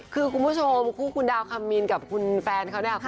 คือคุณผู้ชมคู่คุณดาวคำมินกับคุณแฟนเขาเนี่ย